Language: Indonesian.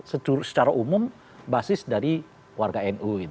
dan itulah secara umum basis dari warga nu itu